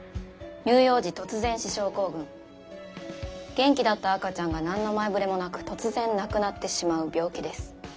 元気だった赤ちゃんが何の前触れもなく突然亡くなってしまう病気です。